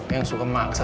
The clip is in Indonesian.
yang suka maksa